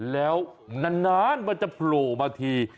แล้วนานมันจะโผล่มาที